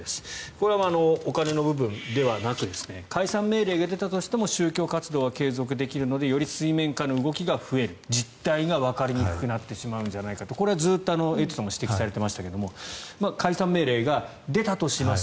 これはお金の部分ではなく解散命令が出たとしても宗教活動は継続できるのでより水面下の動きが増える実態がわかりにくくなってしまうんじゃないかこれはずっとエイトさんも指摘されていましたが解散命令が出たとします。